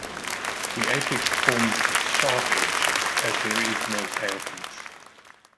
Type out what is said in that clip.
The apex forms a sharp edge, as there is no tailpiece.